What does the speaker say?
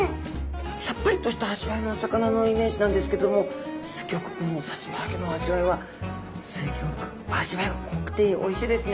さっぱりとした味わいのお魚のイメージなんですけれどもすギョくこのさつま揚げの味わいはすギョく味わいが濃くておいしいですね。